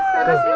nanti ke sana